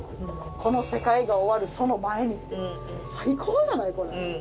この世界が終わるその前にって、最高じゃない？と思って。